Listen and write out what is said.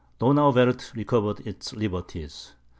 Donauwerth recovered its liberties.